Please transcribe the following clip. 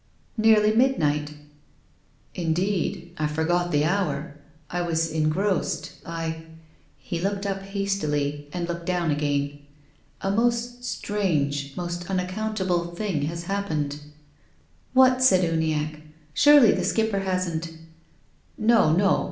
" Nearly midnight." " Indeed. I forgot the hour. I was engrossed. I —" He looked up hastily and looked down again. "A most strange, most unaccountable, thing has happened." "What?" said Uniacke. "Surely the Skipper hasn't —" "No, no.